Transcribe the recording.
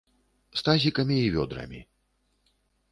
З тазікамі і вёдрамі!